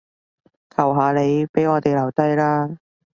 求下你，畀我哋留低啦